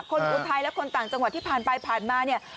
คนไทยและคนต่างจังหวัดที่ผ่านไปผ่านมาเนี่ย